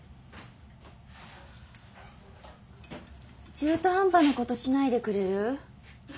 中途半端なことしないでくれる？